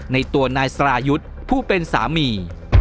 ในตัวนายสรายุทธ์ผู้เป็นสามี